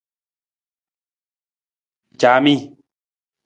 Caami.